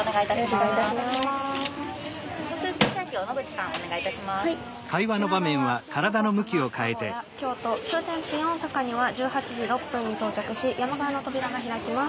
はい品川新横浜名古屋京都終点新大阪には１８時６分に到着し山側の扉が開きます。